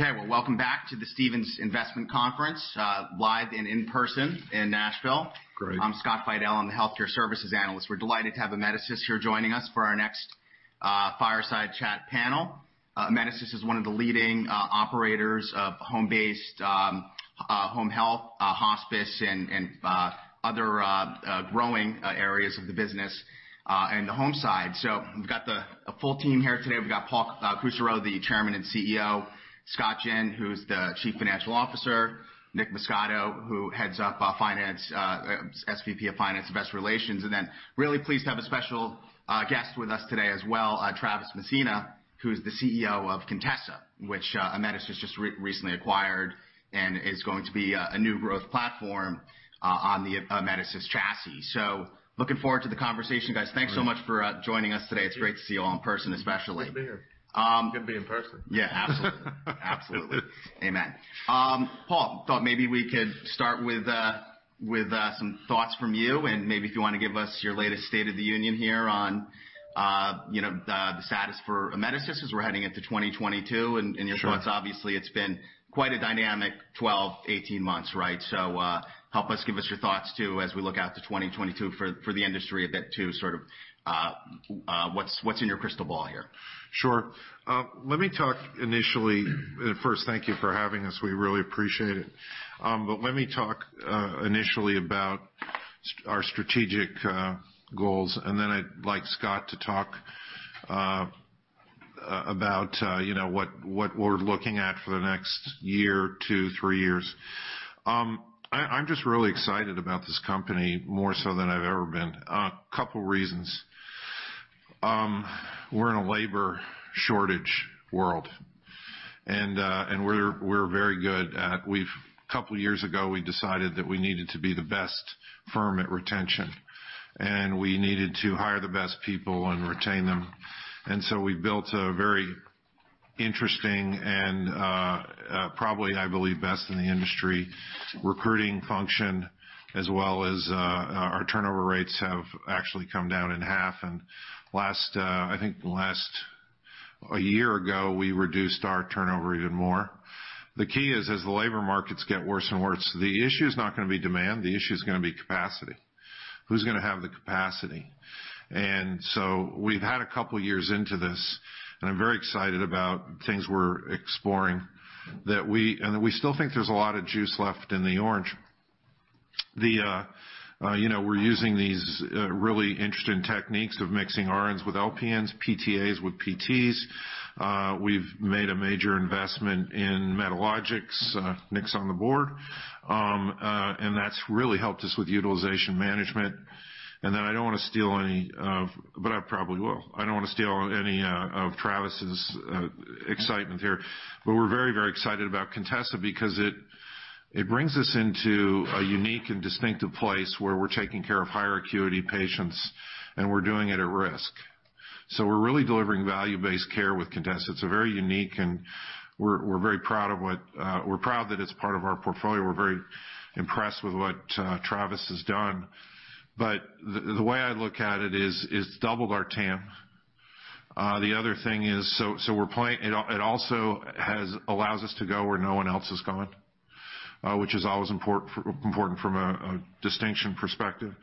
Okay, well, welcome back to the Stephens Investment Conference, live and in person in Nashville. Great. I'm Scott Fidel. I'm the healthcare services analyst. We're delighted to have Amedisys here joining us for our next, fireside chat panel. Amedisys is one of the leading operators of home-based, home health, hospice and other growing areas of the business, and the home side. We've got a full team here today. We've got Paul Kusserow, the Chairman and CEO, Scott Ginn, who's the Chief Financial Officer, Nick Muscato, who heads up our finance, SVP of Finance and Investor Relations. Really pleased to have a special guest with us today as well, Travis Messina, who is the CEO of Contessa, which Amedisys just recently acquired and is going to be a new growth platform on the Amedisys chassis. Looking forward to the conversation, guys. Great. Thanks so much for joining us today. Yeah. It's great to see you all in person, especially. Good to be here. Um- Good to be in person. Yeah, absolutely. Amen. Paul, thought maybe we could start with some thoughts from you and maybe if you wanna give us your latest state of the union here on the status for Amedisys as we're heading into 2022. Sure. Your thoughts. Obviously, it's been quite a dynamic 12, 18 months, right? Help us, give us your thoughts, too, as we look out to 2022 for the industry a bit too, sort of, what's in your crystal ball here? Sure. Let me talk initially. First, thank you for having us. We really appreciate it. Let me talk initially about our strategic goals, and then I'd like Scott to talk about you know what we're looking at for the next year to three years. I'm just really excited about this company more so than I've ever been. A couple reasons. We're in a labor shortage world, and couple years ago we decided that we needed to be the best firm at retention, and we needed to hire the best people and retain them. We built a very interesting and probably I believe best in the industry recruiting function as well as our turnover rates have actually come down in half. Last, I think a year ago, we reduced our turnover even more. The key is as the labor markets get worse and worse, the issue is not gonna be demand, the issue is gonna be capacity. Who's gonna have the capacity? We've had a couple years into this, and I'm very excited about things we're exploring. We still think there's a lot of juice left in the orange. You know, we're using these really interesting techniques of mixing RNs with LPNs, PTAs with PTs. We've made a major investment in Medalogix. Nick's on the board. And that's really helped us with utilization management. Then I don't wanna steal any of. But I probably will. I don't wanna steal any of Travis's excitement here, but we're very, very excited about Contessa because it brings us into a unique and distinctive place where we're taking care of higher acuity patients, and we're doing it at risk. We're really delivering value-based care with Contessa. It's a very unique, and we're proud that it's part of our portfolio. We're very impressed with what Travis has done. The way I look at it is, it's doubled our TAM. The other thing is, we're playing. It also allows us to go where no one else has gone, which is always important from a distinction perspective.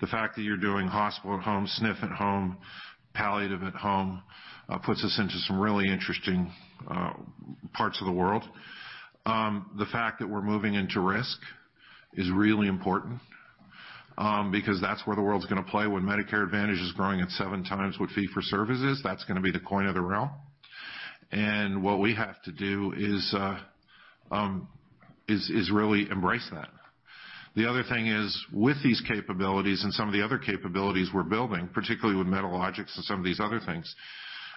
The fact that you're doing hospital at home, SNF at home, palliative at home puts us into some really interesting parts of the world. The fact that we're moving into risk is really important because that's where the world's gonna play. When Medicare Advantage is growing at 7x what fee-for-service is, that's gonna be the coin of the realm. What we have to do is really embrace that. The other thing is, with these capabilities and some of the other capabilities we're building, particularly with Medalogix and some of these other things,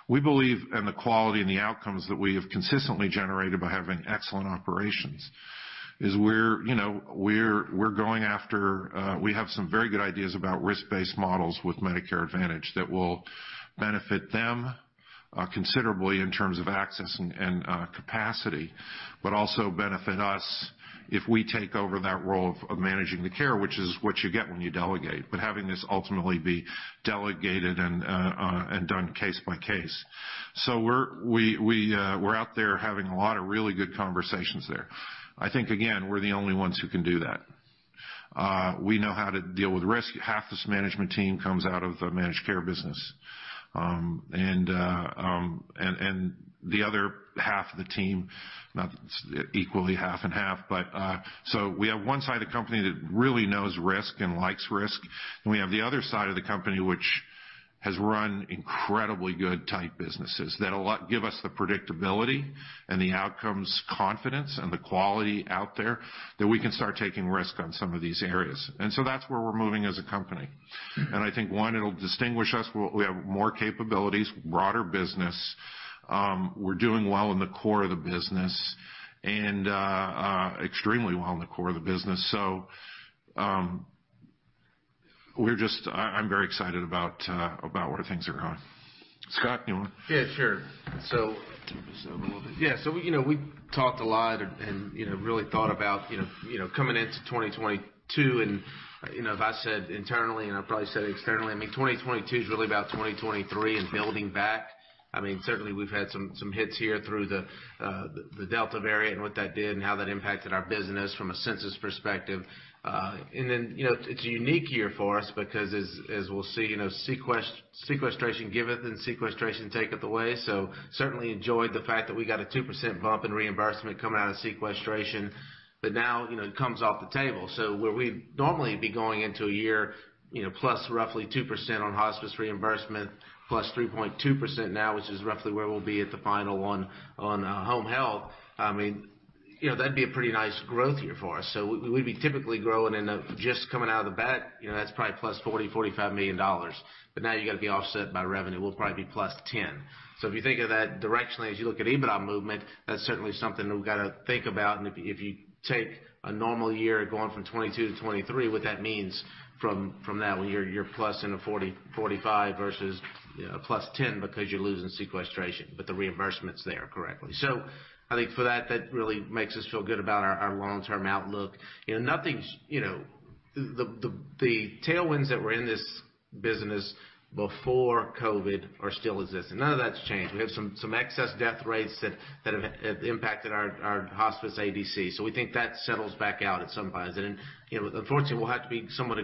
we believe the quality and the outcomes that we have consistently generated by having excellent operations is you know, we're going after. We have some very good ideas about risk-based models with Medicare Advantage that will benefit them considerably in terms of access and capacity, but also benefit us if we take over that role of managing the care, which is what you get when you delegate, but having this ultimately be delegated and done case by case. So we're out there having a lot of really good conversations there. I think, again, we're the only ones who can do that. We know how to deal with risk. Half this management team comes out of the managed care business. The other half of the team, not equally half and half, but so we have one side of the company that really knows risk and likes risk, and we have the other side of the company which has run incredibly good, tight businesses that give us the predictability and the outcomes confidence and the quality out there that we can start taking risk on some of these areas. That's where we're moving as a company. I think, one, it'll distinguish us. We have more capabilities, broader business. We're doing well in the core of the business and extremely well in the core of the business. I'm very excited about where things are going. Scott, you wanna? Yeah, sure. Turn this up a little bit. Yeah. You know, we talked a lot and you know, really thought about you know, coming into 2022 and you know, if I said internally and I probably said it externally. I mean, 2022 is really about 2023 and building back. I mean, certainly we've had some hits here through the Delta variant and what that did and how that impacted our business from a census perspective. And then, you know, it's a unique year for us because as we'll see, you know, sequestration giveth and sequestration taketh away. Certainly enjoyed the fact that we got a 2% bump in reimbursement coming out of sequestration. But now, you know, it comes off the table. Where we'd normally be going into a year, you know, plus roughly 2% on hospice reimbursement plus 3.2% now, which is roughly where we'll be at the final on home health, I mean, you know, that'd be a pretty nice growth year for us. We'd be typically growing in the just coming out of the gate, you know, that's probably plus $40-$45 million. Now you gotta be offset by revenue. We'll probably be plus $10 million. If you think of that directionally as you look at EBITDA movement, that's certainly something we've gotta think about. If you take a normal year going from 2022 to 2023, what that means from that when you're plus 40-45 versus plus $10 million because you're losing sequestration, but the reimbursement's there correctly. I think for that really makes us feel good about our long-term outlook. You know, nothing's changed. The tailwinds that were in this business before COVID are still existing. None of that's changed. We have some excess death rates that have impacted our hospice ADC. We think that settles back out at some point. You know, unfortunately, we'll have to be somewhat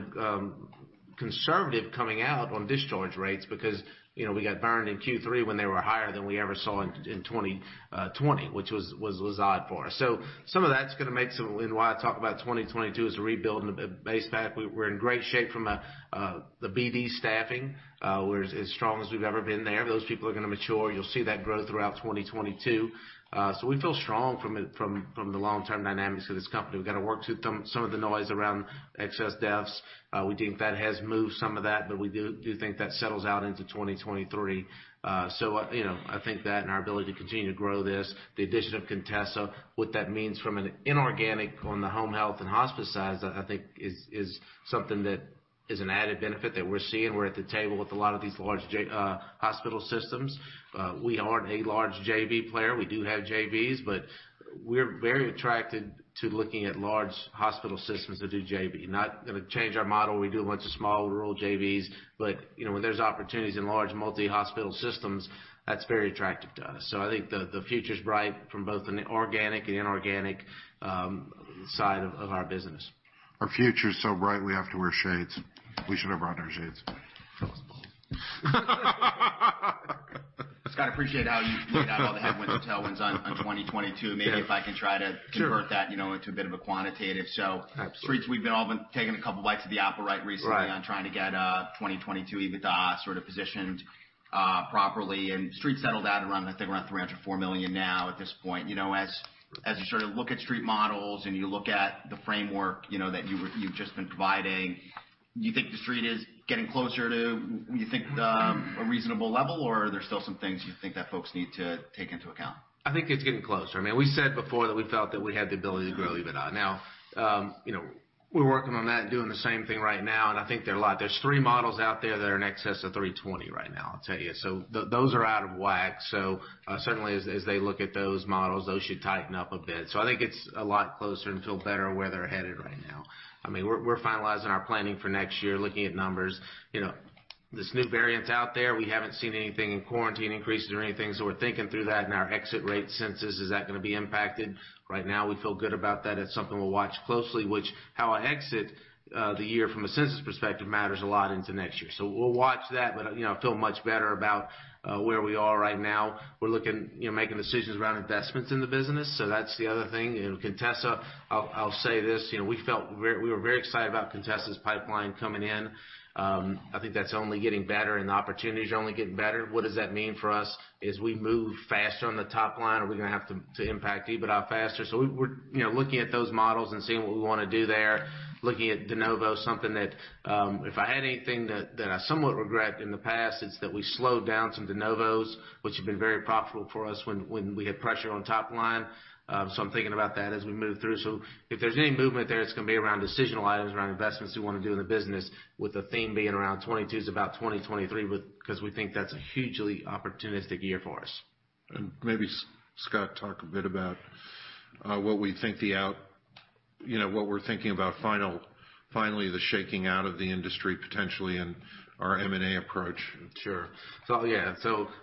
conservative coming out on discharge rates because, you know, we got burned in Q3 when they were higher than we ever saw in 2020, which was odd for us. Some of that's gonna make and why I talk about 2022 as a rebuild and a base back. We're in great shape from the BD staffing, we're as strong as we've ever been there. Those people are gonna mature. You'll see that growth throughout 2022. We feel strong from the long-term dynamics of this company. We've got to work through some of the noise around excess deaths. We think that has moved some of that, but we do think that settles out into 2023. You know, I think that and our ability to continue to grow this, the addition of Contessa, what that means from an inorganic on the home health and hospice side, I think is something that is an added benefit that we're seeing. We're at the table with a lot of these large JV hospital systems. We aren't a large JV player. We do have JVs, but we're very attracted to looking at large hospital systems that do JV. Not gonna change our model. We do a bunch of small rural JVs, but, you know, when there's opportunities in large multi-hospital systems, that's very attractive to us. I think the future's bright from both an organic and inorganic side of our business. Our future is so bright, we have to wear shades. We should have brought our shades. Scott, I appreciate how you laid out all the headwinds and tailwinds on 2022. Yes. Maybe if I can try to- Sure. Convert that, you know, into a bit of a quantitative. Absolutely. We've all been taking a couple bites of the apple, right, recently. Right. On trying to get 2022 EBITDA sort of positioned properly. The Street settled at around, I think, $300 million or $400 million now at this point. You know, as you sort of look at street models and you look at the framework, you know, that you've just been providing, do you think the Street is getting closer to a reasonable level, or are there still some things you think that folks need to take into account? I think it's getting closer. I mean, we said before that we felt that we had the ability to grow EBITDA. Now, you know, we're working on that and doing the same thing right now, and I think there are a lot. There are three models out there that are in excess of 320 right now, I'll tell you. Those are out of whack. Certainly as they look at those models, those should tighten up a bit. I think it's a lot closer and I feel better where they're headed right now. I mean, we're finalizing our planning for next year, looking at numbers. You know, this new variant's out there, we haven't seen anything in quarantine increases or anything, so we're thinking through that in our exit rate census, is that gonna be impacted? Right now we feel good about that. It's something we'll watch closely, which, how I exit the year from a census perspective matters a lot into next year. We'll watch that. You know, I feel much better about where we are right now. We're looking, you know, making decisions around investments in the business. That's the other thing. You know, Contessa, I'll say this: You know, we were very excited about Contessa's pipeline coming in. I think that's only getting better and the opportunities are only getting better. What does that mean for us as we move faster on the top line? Are we gonna have to impact EBITDA faster? We're, you know, looking at those models and seeing what we wanna do there, looking at de novo, something that if I had anything that I somewhat regret in the past, it's that we slowed down some de novos, which have been very profitable for us when we had pressure on top line. I'm thinking about that as we move through. If there's any movement there, it's gonna be around decisional items, around investments we wanna do in the business, with the theme being around 2022 is about 2023, because we think that's a hugely opportunistic year for us. Maybe, Scott, talk a bit about, you know, what we're thinking about finally the shaking out of the industry potentially and our M&A approach. Sure. Yeah.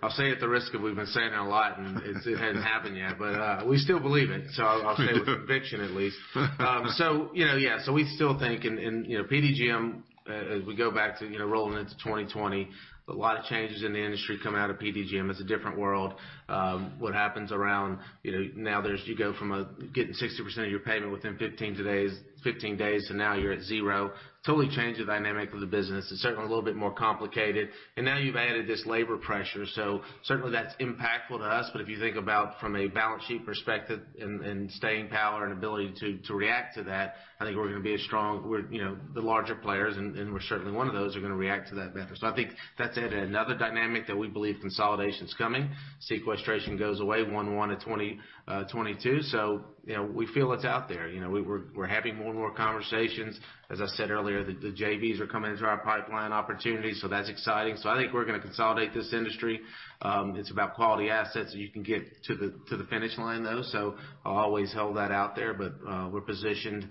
I'll say at the risk of we've been saying it a lot and it hadn't happened yet, but we still believe it. I'll say it with conviction at least. You know, yeah. We still think and you know, PDGM, as we go back to you know, rolling into 2020, a lot of changes in the industry come out of PDGM. It's a different world. What happens around you know, now there's you go from getting 60% of your payment within 15 days to now you're at zero, totally changed the dynamic of the business. It's certainly a little bit more complicated. Now you've added this labor pressure. Certainly that's impactful to us. If you think about from a balance sheet perspective and staying power and ability to react to that, I think we're gonna be as strong. We're you know the larger players and we're certainly one of those who are gonna react to that better. I think that's added another dynamic that we believe consolidation's coming. Sequestration goes away 1/1/2022. You know we feel it's out there. You know we're having more and more conversations. As I said earlier the JVs are coming into our pipeline opportunities, that's exciting. I think we're gonna consolidate this industry. It's about quality assets and you can get to the finish line though. I'll always hold that out there. We're positioned,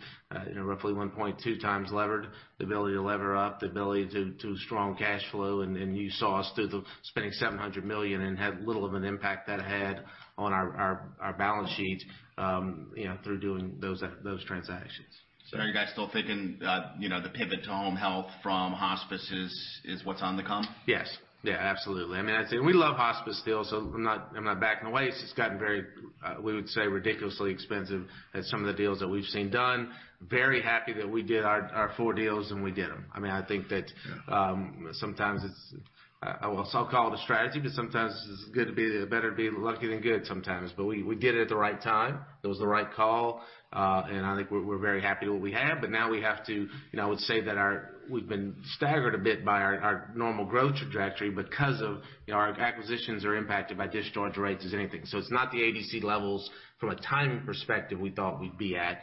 you know, roughly 1.2x levered, the ability to lever up, the ability to strong cash flow. You saw us through the spending $700 million and had little of an impact that had on our balance sheets, you know, through doing those transactions. Are you guys still thinking, you know, the pivot to home health from hospice is what's on the come? Yes. Yeah, absolutely. I mean, I'd say we love hospice still, so I'm not backing away. It's just gotten very, we would say ridiculously expensive at some of the deals that we've seen done. Very happy that we did our four deals, and we did them. I mean, I think that sometimes it's well, some call it a strategy, but sometimes it's better to be lucky than good sometimes. We did it at the right time. It was the right call. I think we're very happy with what we have, but now we have to, you know, I would say that we've been staggered a bit by our normal growth trajectory because of, you know, our acquisitions are impacted by discharge rates as anything. It's not the ADC levels from a timing perspective we thought we'd be at.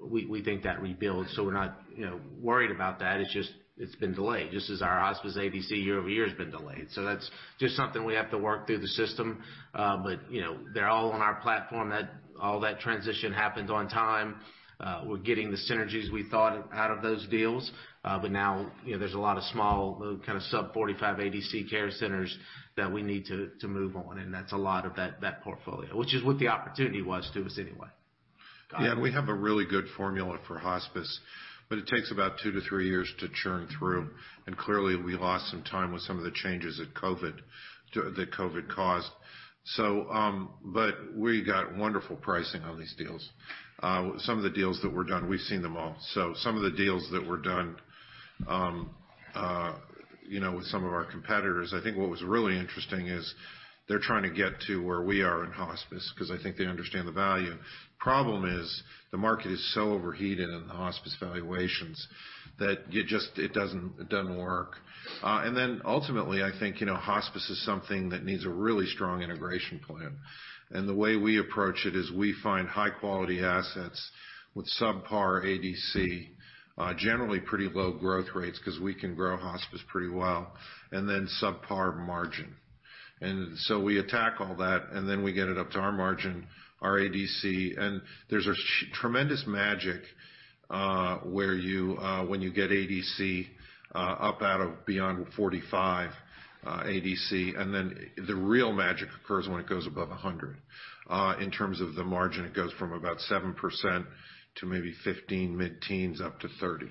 We think that rebuilds, so we're not, you know, worried about that. It's just it's been delayed just as our hospice ADC year-over-year has been delayed. That's just something we have to work through the system. But, you know, they're all on our platform that all that transition happens on time. We're getting the synergies we thought out of those deals. But now, you know, there's a lot of small, kind of sub-45 ADC care centers that we need to move on, and that's a lot of that portfolio, which is what the opportunity was to us anyway. Yeah, we have a really good formula for hospice, but it takes about two to three years to churn through. Clearly, we lost some time with some of the changes that COVID caused. We got wonderful pricing on these deals. Some of the deals that were done, we've seen them all. Some of the deals that were done, you know, with some of our competitors, I think what was really interesting is they're trying to get to where we are in hospice because I think they understand the value. Problem is the market is so overheated in the hospice valuations that you just, it doesn't work. Ultimately, I think, you know, hospice is something that needs a really strong integration plan. The way we approach it is we find high-quality assets with subpar ADC, generally pretty low growth rates because we can grow hospice pretty well, and then subpar margin. We attack all that, and then we get it up to our margin, our ADC. There's a tremendous magic, where you, when you get ADC up out of beyond 45, ADC, and then the real magic occurs when it goes above 100. In terms of the margin, it goes from about 7% to maybe 15, mid-teens, up to 30.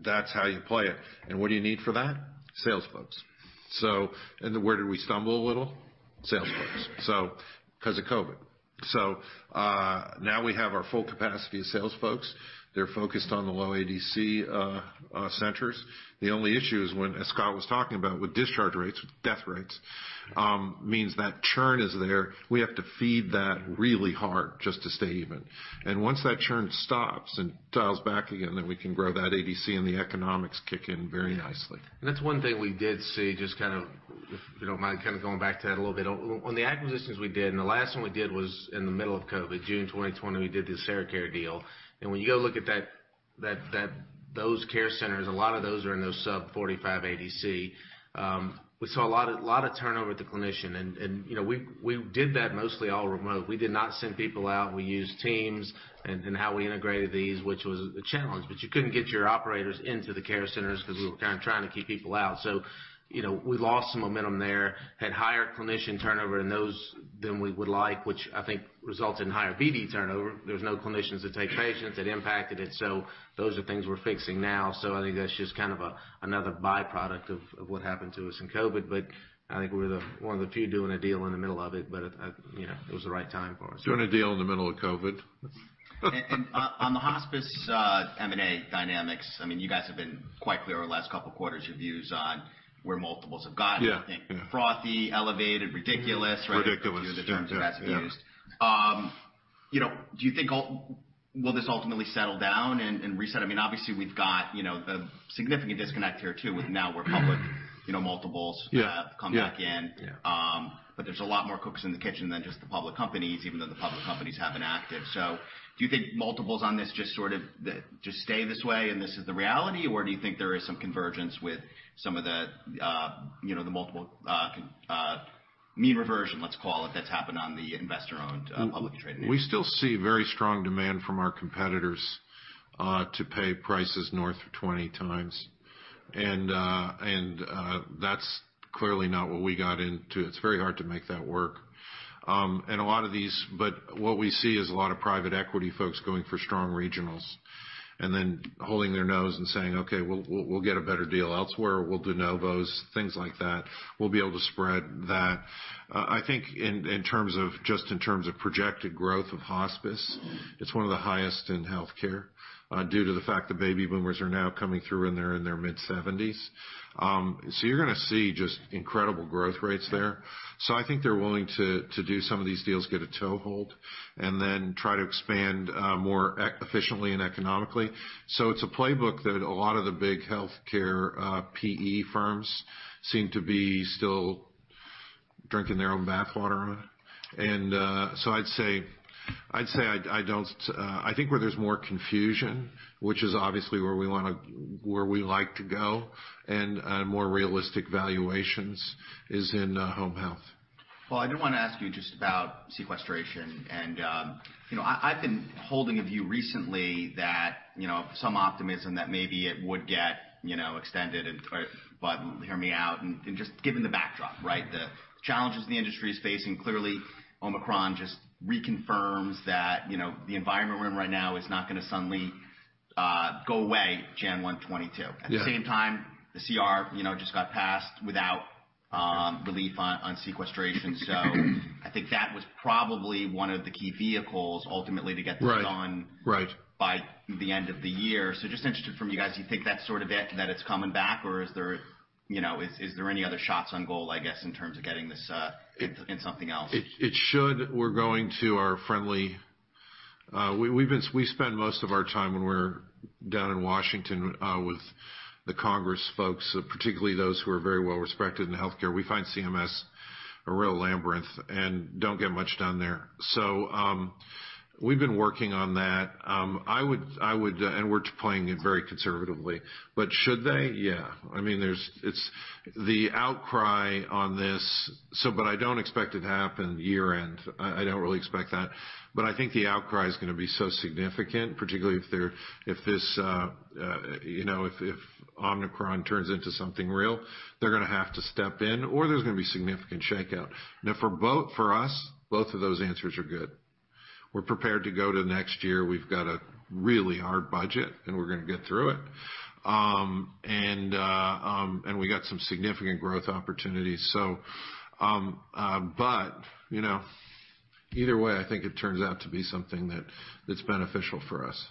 That's how you play it. What do you need for that? Sales folks. Where did we stumble a little? Sales folks. Because of COVID. Now we have our full capacity of sales folks. They're focused on the low ADC centers. The only issue is when, as Scott was talking about, with discharge rates, with death rates, means that churn is there. We have to feed that really hard just to stay even. Once that churn stops and dials back again, then we can grow that ADC, and the economics kick in very nicely. That's one thing we did see, just kind of if you don't mind kind of going back to that a little bit. On the acquisitions we did, and the last one we did was in the middle of COVID. June 2020, we did this AseraCare deal. When you go look at that, those care centers, a lot of those are in those sub 45 ADC. We saw a lot of turnover at the clinician. You know, we did that mostly all remote. We did not send people out. We used Teams and how we integrated these, which was a challenge. You couldn't get your operators into the care centers because we were kind of trying to keep people out. You know, we lost some momentum there, had higher clinician turnover in those than we would like, which I think resulted in higher BD turnover. There was no clinicians to take patients, that impacted it. Those are things we're fixing now. I think that's just kind of a another byproduct of what happened to us in COVID. I think we're the one of the few doing a deal in the middle of it, but you know, it was the right time for us. Doing a deal in the middle of COVID. On the hospice M&A dynamics, I mean, you guys have been quite clear the last couple of quarters, your views on where multiples have gone. Yeah. I think frothy, elevated, ridiculous, right? Ridiculous. A few of the terms that's used. You know, do you think will this ultimately settle down and reset? I mean, obviously, we've got, you know, the significant disconnect here too, with now we're public, you know, multiples. Yeah. Have come back in. There's a lot more cooks in the kitchen than just the public companies, even though the public companies have been active. Do you think multiples on this just sort of stay this way, and this is the reality? Or do you think there is some convergence with some of the, you know, the multiple, mean reversion, let's call it, that's happened on the investor-owned, publicly traded? We still see very strong demand from our competitors to pay prices north of 20x. That's clearly not what we got into. It's very hard to make that work. What we see is a lot of private equity folks going for strong regionals and then holding their nose and saying, "Okay, we'll get a better deal elsewhere. We'll do de novos," things like that. We'll be able to spread that. I think in terms of just projected growth of hospice, it's one of the highest in healthcare, due to the fact the baby boomers are now coming through and they're in their mid-seventies. You're gonna see just incredible growth rates there. I think they're willing to do some of these deals, get a toehold, and then try to expand more efficiently and economically. It's a playbook that a lot of the big healthcare PE firms seem to be still drinking their own bathwater. I'd say I think where there's more confusion, which is obviously where we like to go, and more realistic valuations is in home health. Well, I did want to ask you just about sequestration. You know, I've been holding a view recently that, you know, some optimism that maybe it would get, you know, extended. Hear me out and just given the backdrop, right? The challenges the industry is facing, clearly Omicron just reconfirms that, you know, the environment we're in right now is not gonna suddenly go away January 1, 2022. Yeah. At the same time, the CR, you know, just got passed without relief on sequestration. I think that was probably one of the key vehicles ultimately to get this done- Right. Right. by the end of the year. Just interested from you guys, do you think that's sort of it, that it's coming back? Or is there, you know, is there any other shots on goal, I guess, in terms of getting this in something else? It should. We're down in Washington with the Congress folks, particularly those who are very well respected in healthcare. We find CMS a real labyrinth and don't get much done there. We've been working on that. I would. We're playing it very conservatively. Should they? Yeah. I mean, it's the outcry on this. I don't expect it to happen year-end. I don't really expect that. I think the outcry is gonna be so significant, particularly if this, you know, if Omicron turns into something real, they're gonna have to step in or there's gonna be significant shakeout. For us, both of those answers are good. We're prepared to go to next year. We've got a really hard budget, and we're gonna get through it. We got some significant growth opportunities. You know, either way, I think it turns out to be something that's beneficial for us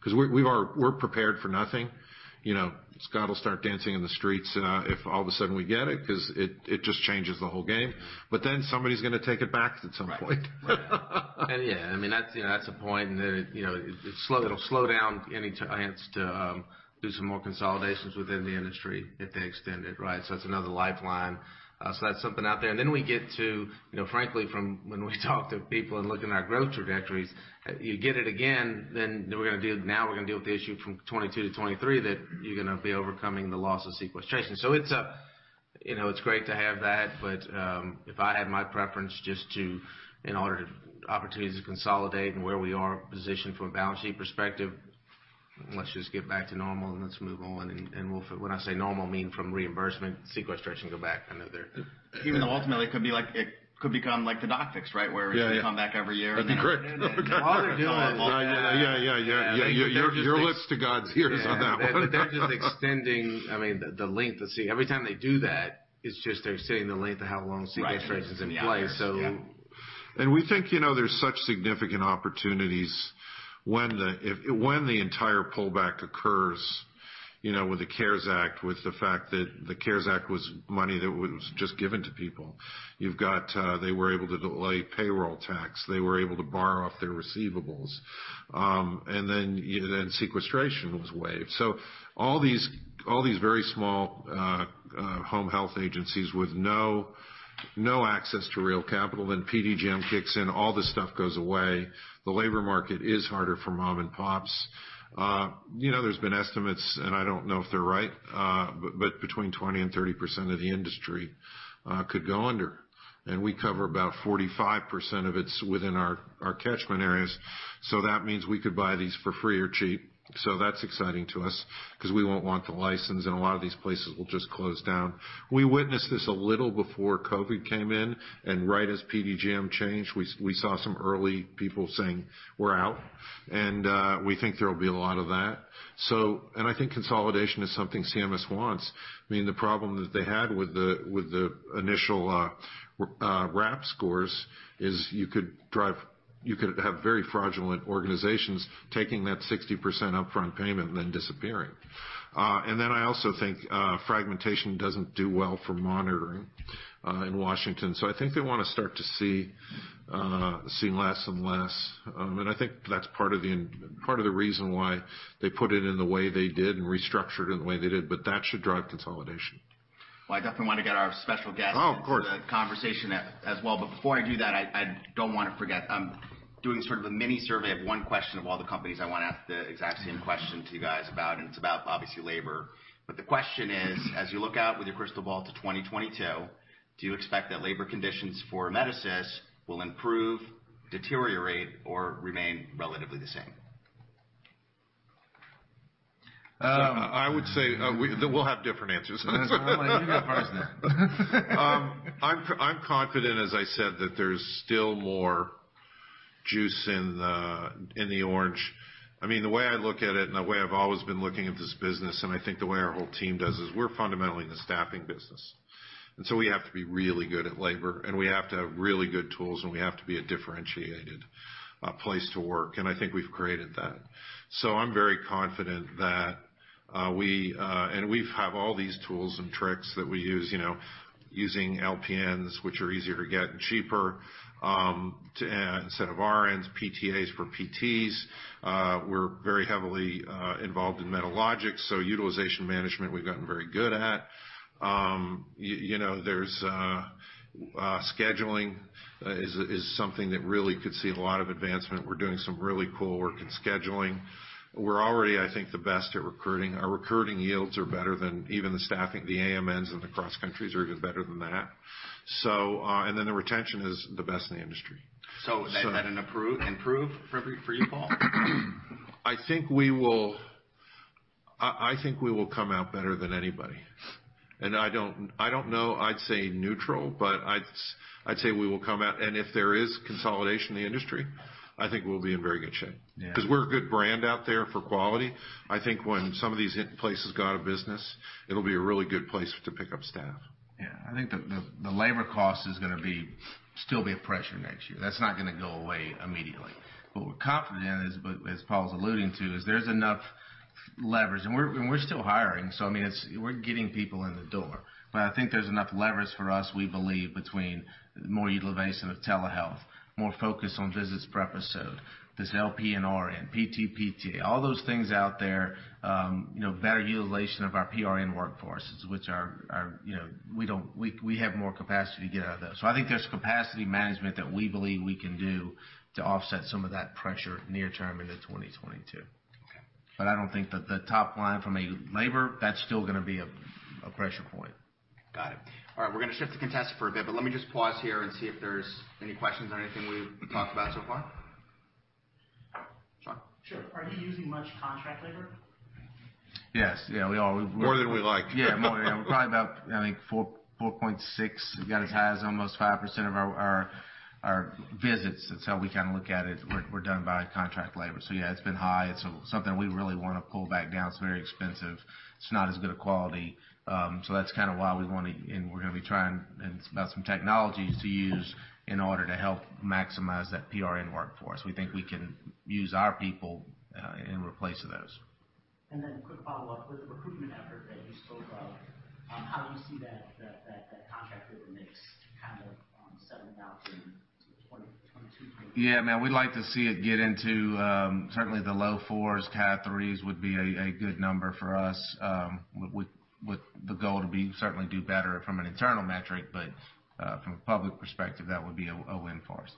'cause we're prepared for nothing. You know, Scott will start dancing in the streets if all of a sudden we get it 'cause it just changes the whole game. Somebody's gonna take it back at some point. Right. Yeah, I mean that's, you know, that's a point. You know, it'll slow down any chance to do some more consolidations within the industry if they extend it, right? That's another lifeline. That's something out there. We get to, you know, frankly, from when we talk to people and look at our growth trajectories, you get it again, then we're gonna deal with the issue from 2022-2023 that you're gonna be overcoming the loss of sequestration. It's, you know, it's great to have that. If I had my preference just to opportunities to consolidate and where we are positioned from a balance sheet perspective, let's just get back to normal and let's move on. When I say normal, I mean from reimbursement, sequestration goes back under there. Even though ultimately it could become like the doc fix, right, where Yeah, yeah. We come back every year and have to do it. That'd be great. All they're doing is Yeah. Your lips to God's ears on that one. They're just extending, I mean, the length of CR. Every time they do that, it's just they're extending the length of how long sequestration's in place. Right, and keeping it out there. Yeah. We think, you know, there's such significant opportunities when the entire pullback occurs, you know, with the CARES Act, with the fact that the CARES Act was money that was just given to people. You've got, they were able to delay payroll tax. They were able to borrow off their receivables. Then, you know, then sequestration was waived. So all these very small home health agencies with no access to real capital, then PDGM kicks in, all this stuff goes away. The labor market is harder for mom and pops. You know, there's been estimates, and I don't know if they're right, but between 20% and 30% of the industry could go under. We cover about 45% of it is within our catchment areas. That means we could buy these for free or cheap. That's exciting to us 'cause we won't want the license, and a lot of these places will just close down. We witnessed this a little before COVID came in, and right as PDGM changed, we saw some early people saying, "We're out." We think there will be a lot of that. I think consolidation is something CMS wants. The problem that they had with the initial RAP scores is you could have very fraudulent organizations taking that 60% upfront payment and then disappearing. I also think fragmentation doesn't do well for monitoring in Washington. I think they wanna start to see less and less. I think that's part of the reason why they put it in the way they did and restructured it in the way they did. That should drive consolidation. Well, I definitely want to get our special guest. Oh, of course. into the conversation as well. Before I do that, I don't wanna forget. I'm doing sort of a mini survey of one question of all the companies I wanna ask the exact same question to you guys about, and it's about obviously labor. The question is: As you look out with your crystal ball to 2022, do you expect that labor conditions for Amedisys will improve, deteriorate, or remain relatively the same? I would say, we'll have different answers. Well, you go first then. I'm confident, as I said, that there's still more juice in the orange. I mean, the way I look at it and the way I've always been looking at this business, and I think the way our whole team does, is we're fundamentally in the staffing business. We have to be really good at labor, and we have to have really good tools, and we have to be a differentiated place to work, and I think we've created that. I'm very confident that we have all these tools and tricks that we use, you know, using LPNs, which are easier to get and cheaper instead of RNs, PTAs for PTs. We're very heavily involved in Medalogix, so utilization management, we've gotten very good at. You know, there's scheduling is something that really could see a lot of advancement. We're doing some really cool work in scheduling. We're already, I think, the best at recruiting. Our recruiting yields are better than even the staffing. The AMN and the Cross Countrys are even better than that. The retention is the best in the industry. Is that an improvement for you, Paul? I think we will come out better than anybody. I don't know, I'd say neutral, but I'd say we will come out. If there is consolidation in the industry, I think we'll be in very good shape. Yeah. 'Cause we're a good brand out there for quality. I think when some of these shitty places go out of business, it'll be a really good place to pick up staff. Yeah. I think the labor cost is gonna still be a pressure next year. That's not gonna go away immediately. What we're confident in, as Paul's alluding to, is there's enough leverage. We're still hiring, so I mean, we're getting people in the door. I think there's enough leverage for us, we believe, between more utilization of telehealth, more focus on visits per episode, this LP and RN, PT, PTA, all those things out there. You know, better utilization of our PRN workforces, which are, you know, we have more capacity to get out of that. I think there's capacity management that we believe we can do to offset some of that pressure near term into 2022. Okay. I don't think that the top line from a labor, that's still gonna be a pressure point. Got it. All right, we're gonna shift to Contessa for a bit, but let me just pause here and see if there's any questions on anything we've talked about so far. [Sean]? Sure. Are you using much contract labor? Yes. Yeah, we are. More than we like. Yeah, probably about, I think 4.6. We got as high as almost 5% of our visits. That's how we kinda look at it, we're done by contract labor. Yeah, it's been high. It's something we really wanna pull back down. It's very expensive. It's not as good a quality. That's kinda why we wanna, and we're gonna be trying to adopt some technologies to use in order to help maximize that PRN workforce. We think we can use our people to replace those. Quick follow-up. With the recruitment effort that you spoke of, how do you see that contract labor mix kind of on settling down in 2022? Yeah, man, we'd like to see it get into certainly the low 4s. High 3s would be a good number for us. With the goal to certainly do better from an internal metric, but from a public perspective, that would be a win for us.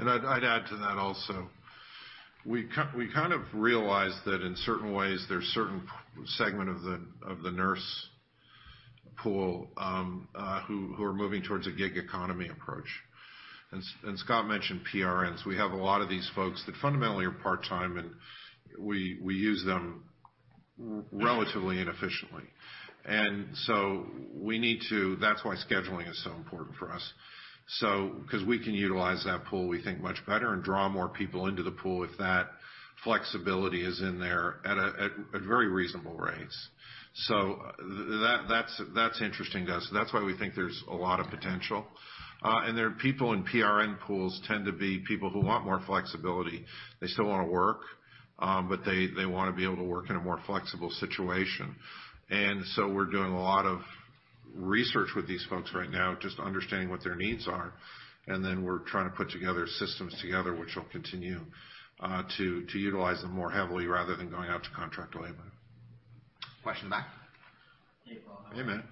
I'd add to that also. We kind of realized that in certain ways, there's a certain segment of the nurse pool who are moving towards a gig economy approach. Scott mentioned PRNs. We have a lot of these folks that fundamentally are part-time, and we use them relatively and efficiently. We need to. That's why scheduling is so important for us. Because we can utilize that pool, we think much better and draw more people into the pool if that flexibility is in there at very reasonable rates. That's interesting to us. That's why we think there's a lot of potential. There are people in PRN pools tend to be people who want more flexibility. They still wanna work, but they wanna be able to work in a more flexible situation. We're doing a lot of research with these folks right now, just understanding what their needs are. We're trying to put together systems, which will continue to utilize them more heavily rather than going out to contract labor. Question at the back. Hey, Paul. Hey, man.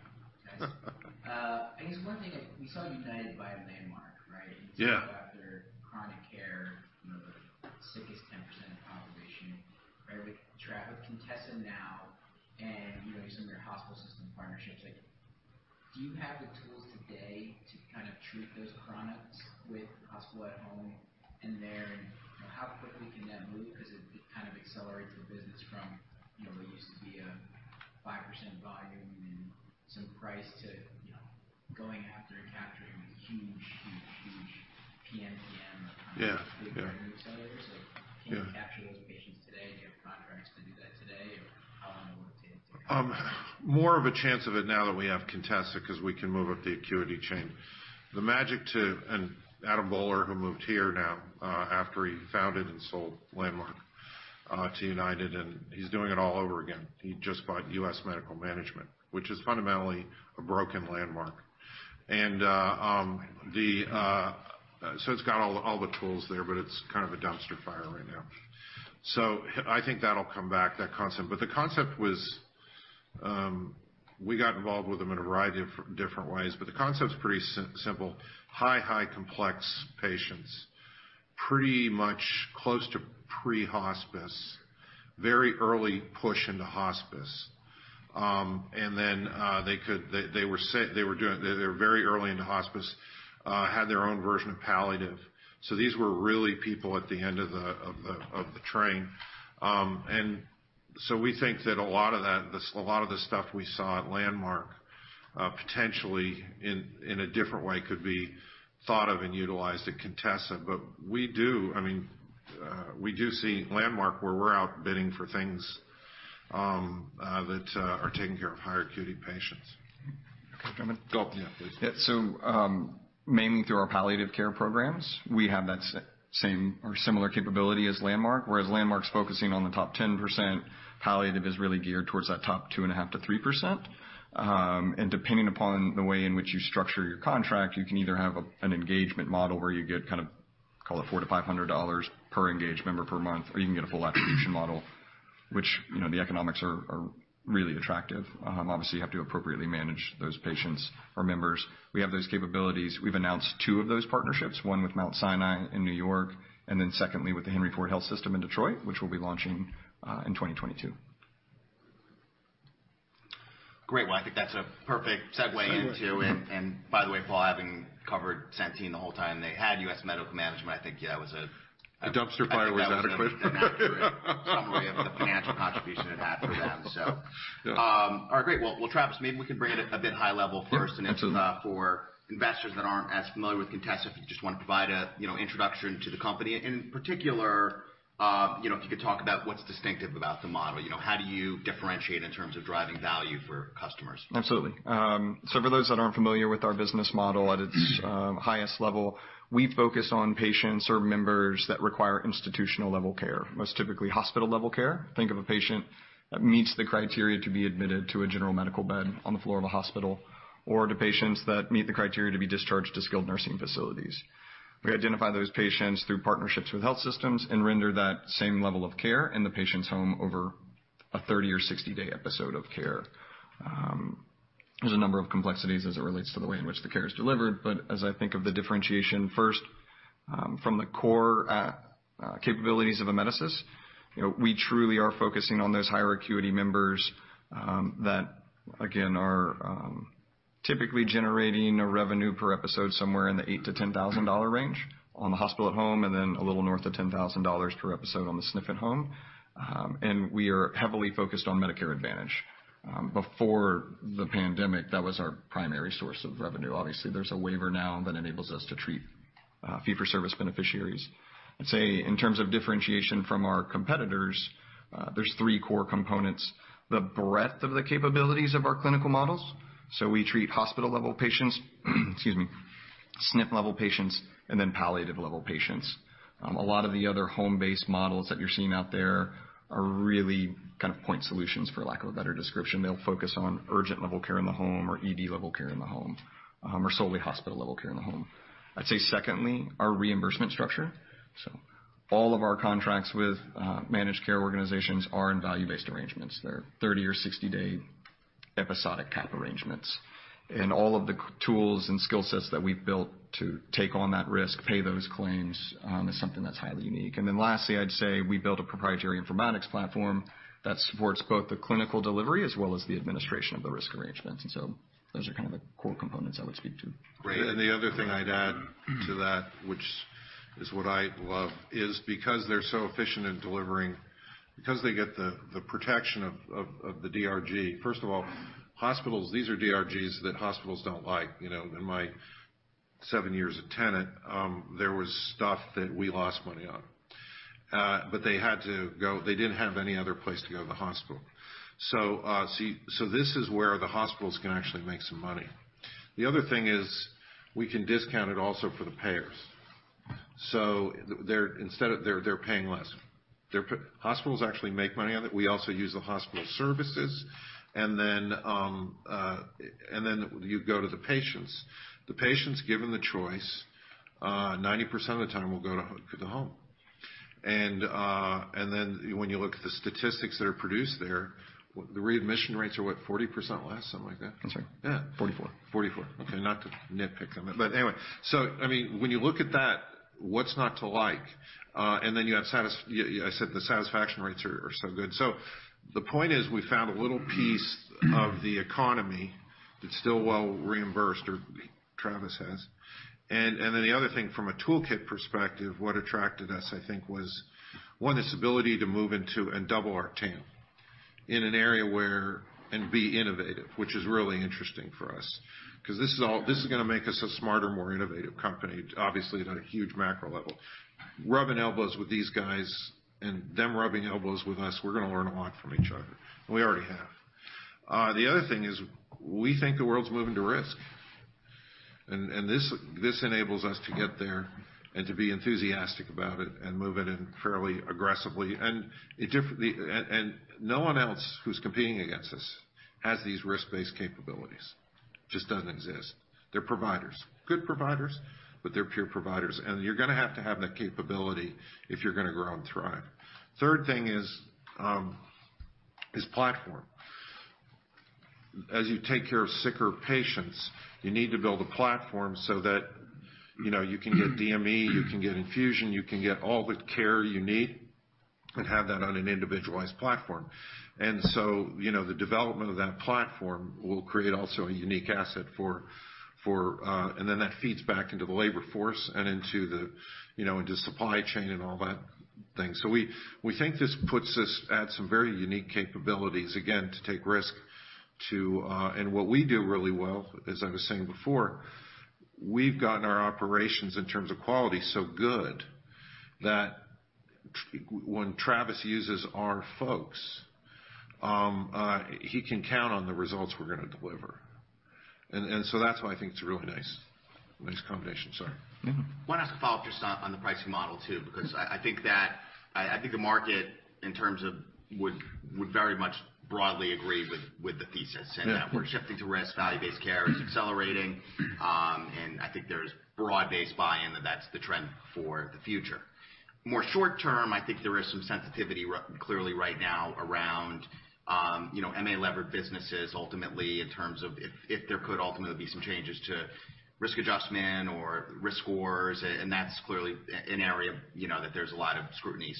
We saw United buy Landmark, right? Yeah. After chronic care, you know, the sickest 10% of the population. Right. With Travis Messina, Contessa Health now and, you know, some of your hospital system partnerships, like, do you have the tools today to kind of treat those chronics with hospital at home in there? How quickly can that move? Because it kind of accelerates your business from, you know, what used to be a 5% volume and some price to, you know, going after and capturing this huge, huge, huge PNCM. Can you capture those patients today? Do you have contracts to do that today? Or how long will it take to. More of a chance of it now that we have Contessa because we can move up the acuity chain. Adam Boehler, who moved here now, after he founded and sold Landmark to United, and he's doing it all over again. He just bought US Medical Management, which is fundamentally a broken Landmark. It's got all the tools there, but it's kind of a dumpster fire right now. I think that'll come back, that concept. The concept was, we got involved with them in a variety of different ways, but the concept's pretty simple. High complex patients, pretty much close to pre-hospice, very early push into hospice. They were very early into hospice, had their own version of palliative. These were really people at the end of the line. We think that a lot of the stuff we saw at Landmark potentially in a different way could be thought of and utilized at Contessa. I mean, we do see Landmark where we're outbidding for things that are taking care of higher acuity patients. Can I come in? Go. Yeah, please. Yeah. Mainly through our palliative care programs, we have that same or similar capability as Landmark. Whereas Landmark's focusing on the top 10%, palliative is really geared towards that top 2.5%-3%. Depending upon the way in which you structure your contract, you can either have an engagement model where you get kind of, call it $400-$500 per engaged member per month, or you can get a full attribution model, which, you know, the economics are really attractive. Obviously, you have to appropriately manage those patients or members. We have those capabilities. We've announced two of those partnerships, one with Mount Sinai in New York, and then secondly, with the Henry Ford Health System in Detroit, which we'll be launching in 2022. Great. Well, I think that's a perfect segue into it. By the way, Paul, having covered Centene the whole time, they had U.S. Medical Management. A dumpster fire was an accurate. ...accurate summary of the financial contribution it had for them. All right. Great. Well, Travis, maybe we can bring it a bit high level first- Absolutely. It's for investors that aren't as familiar with Contessa, if you just wanna provide a you know introduction to the company. In particular, you know, if you could talk about what's distinctive about the model. You know, how do you differentiate in terms of driving value for customers? Absolutely. For those that aren't familiar with our business model at its highest level, we focus on patients or members that require institutional level care, most typically hospital level care. Think of a patient that meets the criteria to be admitted to a general medical bed on the floor of a hospital or to patients that meet the criteria to be discharged to skilled nursing facilities. We identify those patients through partnerships with health systems and render that same level of care in the patient's home over a 30- or 60-day episode of care. There's a number of complexities as it relates to the way in which the care is delivered. As I think of the differentiation first from the core capabilities of Amedisys, you know, we truly are focusing on those higher acuity members that again are typically generating a revenue per episode somewhere in the $8,000-$10,000 range on the hospital at home, and then a little north of $10,000 per episode on the SNF at home. We are heavily focused on Medicare Advantage. Before the pandemic, that was our primary source of revenue. Obviously, there's a waiver now that enables us to treat fee-for-service beneficiaries. I'd say in terms of differentiation from our competitors, there's three core components. The breadth of the capabilities of our clinical models. We treat hospital-level patients, excuse me, SNF-level patients, and then palliative-level patients. A lot of the other home-based models that you're seeing out there are really kind of point solutions for lack of a better description. They'll focus on urgent level care in the home or ED level care in the home, or solely hospital level care in the home. I'd say secondly, our reimbursement structure. All of our contracts with managed care organizations are in value-based arrangements. They're 30- or 60-day episodic cap arrangements. And all of the tools and skill sets that we've built to take on that risk, pay those claims, is something that's highly unique. Then lastly, I'd say we built a proprietary informatics platform that supports both the clinical delivery as well as the administration of the risk arrangements. Those are kind of the core components I would speak to. Great. The other thing I'd add to that, which is what I love, is because they're so efficient in delivering, because they get the protection of the DRG. First of all, hospitals, these are DRGs that hospitals don't like. You know, in my seven years at Tenet, there was stuff that we lost money on. They had to go. They didn't have any other place to go to the hospital. This is where the hospitals can actually make some money. The other thing is we can discount it also for the payers. There, instead of, they're paying less. Hospitals actually make money on it. We also use the hospital services. Then you go to the patients. The patients, given the choice, 90% of the time will go to the home. Then when you look at the statistics that are produced there, the readmission rates are what? 40% less, something like that. I'm sorry. Yeah. 44. 44. Okay, not to nitpick them. Anyway. I mean, when you look at that, what's not to like? And then you have satisfaction. I said the satisfaction rates are so good. The point is we found a little piece of the economy that's still well reimbursed, or Travis has. Then the other thing from a toolkit perspective, what attracted us, I think was, one, this ability to move into and double our TAM in an area where and be innovative, which is really interesting for us. 'Cause this is all. This is gonna make us a smarter, more innovative company, obviously at a huge macro level. Rubbing elbows with these guys and them rubbing elbows with us, we're gonna learn a lot from each other. We already have. The other thing is we think the world's moving to risk. This enables us to get there and to be enthusiastic about it and move it in fairly aggressively. No one else who's competing against us has these risk-based capabilities. Just doesn't exist. They're providers, good providers, but they're pure providers. You're gonna have to have that capability if you're gonna grow and thrive. Third thing is platform. As you take care of sicker patients, you need to build a platform so that, you know, you can get DME, you can get infusion, you can get all the care you need and have that on an individualized platform. You know, the development of that platform will create also a unique asset. Then that feeds back into the labor force and into the, you know, into supply chain and all that things. We think this puts us at some very unique capabilities, again, to take risk too. What we do really well, as I was saying before, we've gotten our operations in terms of quality so good that when Travis uses our folks, he can count on the results we're gonna deliver. That's why I think it's a really nice combination. Sorry. No. Want us to follow up just on the pricing model too, because I think the market in terms of would very much broadly agree with the thesis and that we're shifting to risk, value-based care is accelerating. I think there's broad-based buy-in that that's the trend for the future. More short term, I think there is some sensitivity clearly right now around, you know, MA-levered businesses ultimately in terms of if there could ultimately be some changes to risk adjustment or risk scores, and that's clearly an area, you know, that there's a lot of scrutiny.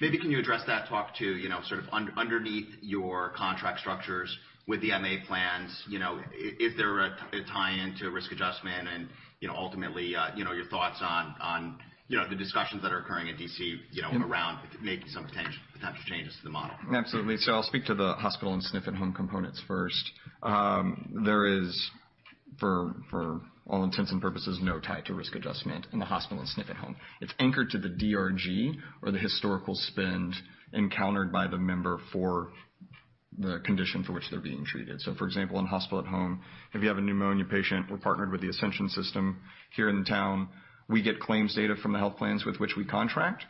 Maybe can you address that, talk to, you know, sort of underneath your contract structures with the MA plans. You know, is there a tie-in to risk adjustment and, you know, ultimately, you know, your thoughts on, you know, the discussions that are occurring in D.C., you know, around making some potential changes to the model. Absolutely. I'll speak to the hospital and SNF at home components first. There is for all intents and purposes no tie to risk adjustment in the hospital and SNF at home. It's anchored to the DRG or the historical spend encountered by the member for the condition for which they're being treated. For example, in hospital at home, if you have a pneumonia patient, we're partnered with the Ascension system here in town. We get claims data from the health plans with which we contract.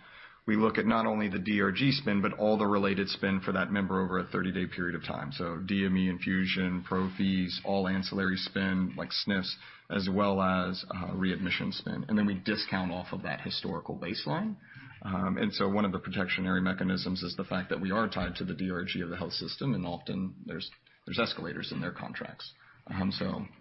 We look at not only the DRG spend, but all the related spend for that member over a 30-day period of time. DME, infusion, pro fees, all ancillary spend like SNFs, as well as readmission spend. And then we discount off of that historical baseline. One of the protective mechanisms is the fact that we are tied to the DRG of the health system, and often there's escalators in their contracts.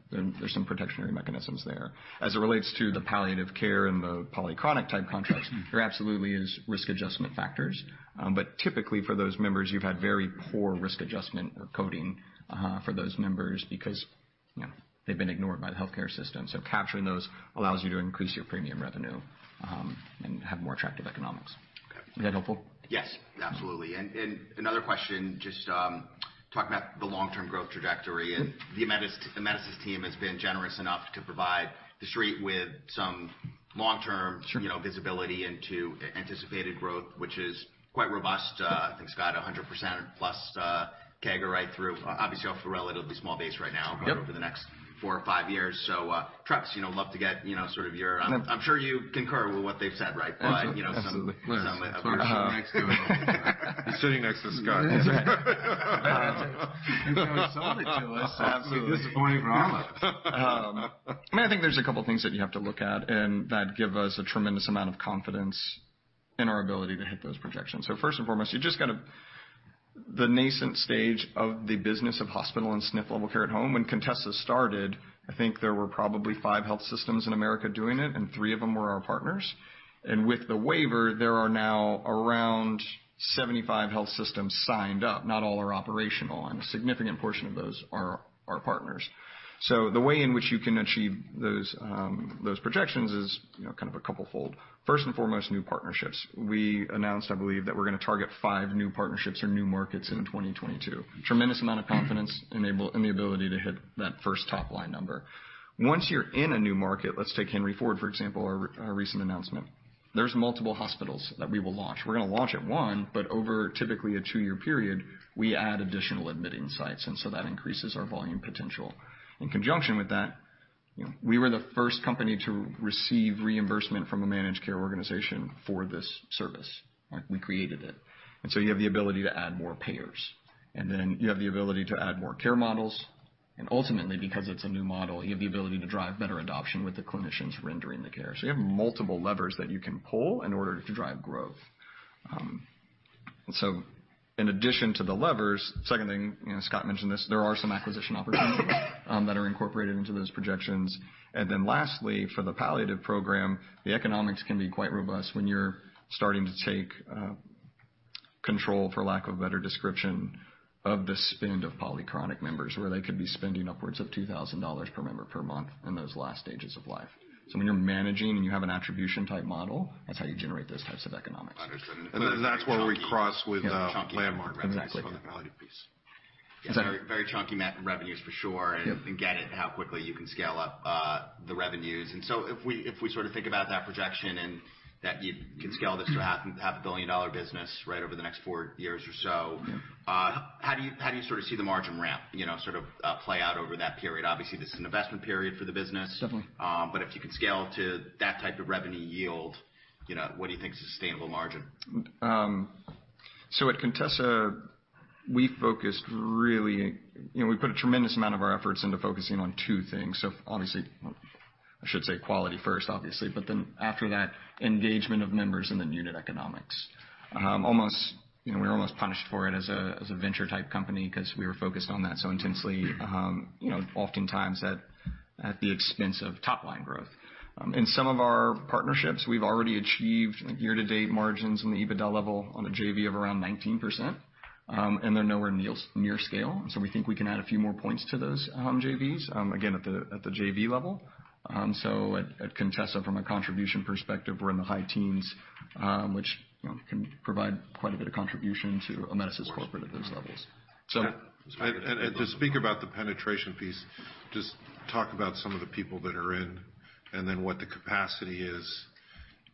There's some protective mechanisms there. As it relates to the palliative care and the polychronic type contracts, there absolutely is risk adjustment factors. Typically for those members, you've had very poor risk adjustment or coding for those members because you know, they've been ignored by the healthcare system. Capturing those allows you to increase your premium revenue, and have more attractive economics. Okay. Is that helpful? Yes, absolutely. Another question, just talking about the long-term growth trajectory. The Amedisys team has been generous enough to provide the street with some long-term- Sure. you know, visibility into anticipated growth, which is quite robust. I think it's got 100% plus CAGR right through. Obviously, off a relatively small base right now. Yep. Over the next four or five years. Travis, you know, love to get, you know, sort of your, I'm sure you concur with what they've said, right? Absolutely. You know, some- Of course. -some of- You're sitting next to him. He's sitting next to Scott. That's right. He sold it to us. Absolutely. With this, Paul. Ronald. I mean, I think there's a couple things that you have to look at and that give us a tremendous amount of confidence in our ability to hit those projections. First and foremost, the nascent stage of the business of hospital- and SNF-level care at home when Contessa started, I think there were probably five health systems in America doing it, and three of them were our partners. With the waiver, there are now around 75 health systems signed up. Not all are operational, and a significant portion of those are our partners. The way in which you can achieve those projections is, you know, kind of twofold. First and foremost, new partnerships. We announced, I believe, that we're gonna target five new partnerships or new markets in 2022. Tremendous amount of confidence in the ability to hit that first top-line number. Once you're in a new market, let's take Henry Ford, for example, our recent announcement. There's multiple hospitals that we will launch. We're gonna launch at one, but over typically a two-year period, we add additional admitting sites, and so that increases our volume potential. In conjunction with that, you know, we were the first company to receive reimbursement from a managed care organization for this service. Like, we created it. You have the ability to add more payers. You have the ability to add more care models. Ultimately, because it's a new model, you have the ability to drive better adoption with the clinicians rendering the care. You have multiple levers that you can pull in order to drive growth. In addition to the levers, second thing, you know, Scott mentioned this, there are some acquisition opportunities that are incorporated into those projections. Lastly, for the palliative program, the economics can be quite robust when you're starting to take control, for lack of a better description, of the spend of polychronic members where they could be spending upwards of $2,000 per member per month in those last stages of life. When you're managing and you have an attribution type model, that's how you generate those types of economics. Understood. That's where we cross with the Landmark- Exactly. for the palliative piece. Sorry. Very chunky MA revenues for sure. Yep. Get it how quickly you can scale up the revenues. If we sort of think about that projection and that you can scale this to half a billion-dollar business right over the next four years or so. Yeah. How do you sort of see the margin ramp, you know, sort of, play out over that period? Obviously, this is an investment period for the business. Definitely. If you could scale to that type of revenue yield, you know, what do you think is a sustainable margin? At Contessa, we focused really. You know, we put a tremendous amount of our efforts into focusing on two things. Obviously, I should say quality first, obviously. Then after that, engagement of members and then unit economics. Almost, you know, we're almost punished for it as a, as a venture type company 'cause we were focused on that so intensely, you know, oftentimes at the expense of top-line growth. In some of our partnerships, we've already achieved year-to-date margins on the EBITDA level on the JV of around 19%. They're nowhere near scale. We think we can add a few more points to those, JVs, again, at the, at the JV level. At Contessa, from a contribution perspective, we're in the high teens%, which, you know, can provide quite a bit of contribution to Amedisys corporate at those levels. To speak about the penetration piece, just talk about some of the people that are in, and then what the capacity is.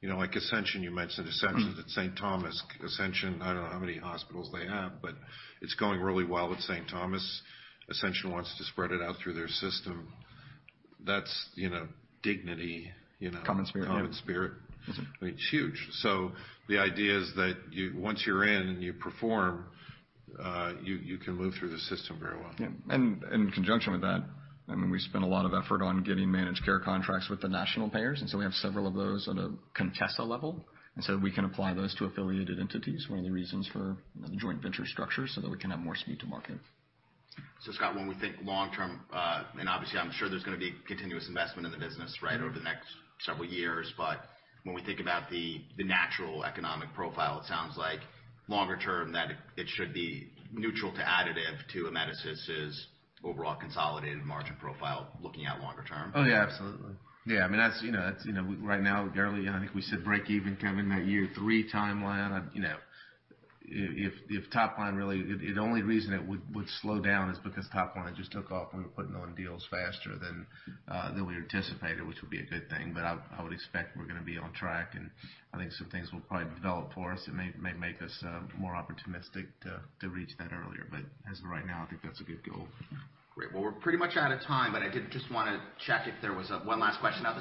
You know, like Ascension, you mentioned Ascension Saint Thomas. Ascension, I don't know how many hospitals they have, but it's going really well at Saint Thomas. Ascension wants to spread it out through their system. That's, you know, Dignity. You know. CommonSpirit. CommonSpirit. Mm-hmm. It's huge. The idea is that you, once you're in and you perform, you can move through the system very well. Yeah. In conjunction with that, I mean, we spent a lot of effort on getting managed care contracts with the national payers, and so we have several of those at a Contessa level. We can apply those to affiliated entities, one of the reasons for the joint venture structure, so that we can have more speed to market. Scott, when we think long term, and obviously, I'm sure there's gonna be continuous investment in the business, right, over the next several years. When we think about the natural economic profile, it sounds like longer term, that it should be neutral to additive to Amedisys' overall consolidated margin profile looking at longer term. Oh, yeah, absolutely. Yeah. I mean, that's, you know, right now, barely, I think we said break even kind of in that year three timeline. You know, if top line really The only reason it would slow down is because top line just took off and we're putting on deals faster than we anticipated, which would be a good thing. I would expect we're gonna be on track, and I think some things will probably develop for us that may make us more opportunistic to reach that earlier. As of right now, I think that's a good goal. Great. Well, we're pretty much out of time, but I did just wanna check if there was one last question out there.